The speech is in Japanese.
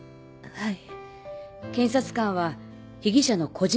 はい。